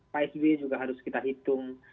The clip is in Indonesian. pak s b juga harus kita hitung